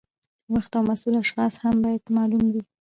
وخت او مسؤل اشخاص هم باید معلوم وي.